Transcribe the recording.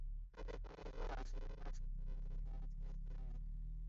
他的朋友和老师把他描述成一个有魅力的和领导才能的人。